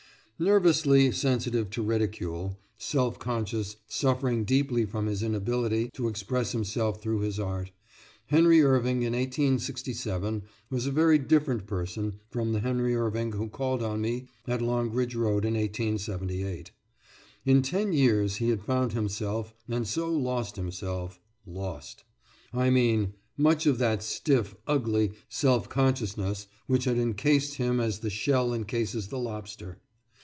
Nervously sensitive to ridicule, self conscious, suffering deeply from his inability to express himself through his art, Henry Irving in 1867 was a very different person from the Henry Irving who called on me at Longridge Road in 1878. In ten years he had found himself, and so lost himself lost, I mean, much of that stiff, ugly self consciousness which had encased him as the shell encases the lobster.